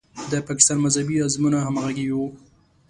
د پاکستان مذهبي حزبونه همغږي وو.